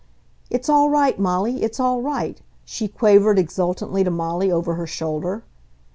"It's all right, Molly; it's all right!" she quavered exultantly to Molly over her shoulder.